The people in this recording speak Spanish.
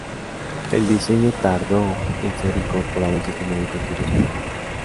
El diseño tardó en ser incorporado al sistema educativo español.